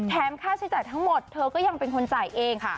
ค่าใช้จ่ายทั้งหมดเธอก็ยังเป็นคนจ่ายเองค่ะ